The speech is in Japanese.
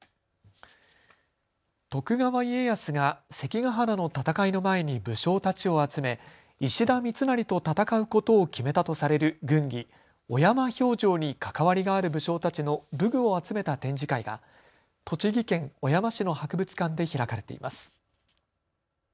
徳川家康が関ヶ原の戦いの前に武将たちを集め石田三成と戦うことを決めたとされる軍議、小山評定に関わりがある武将たちの武具を集めた展示会が栃木県小山市の博物館で開かれています。